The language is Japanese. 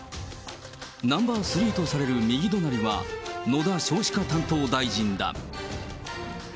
ナンバー３とされる右隣は、野田少子化担当大臣だ。